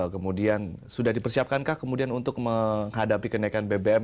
kemudian sudah dipersiapkankah kemudian untuk menghadapi kenaikan bbm